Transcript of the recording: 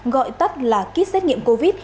gọi tắt là kit xét nghiệm covid